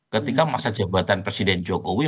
ketika masa jabatan presiden jokowi